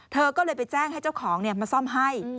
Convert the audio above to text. เธอก็เลยไปแจ้งให้เจ้าของมาซ่อมให้